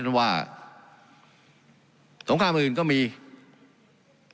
การปรับปรุงทางพื้นฐานสนามบิน